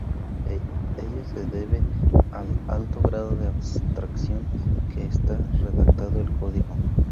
Ello se debe al alto grado de abstracción en que está redactado el Código.